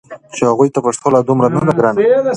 چې هغوی ته پښتو لا دومره نه ده ګرانه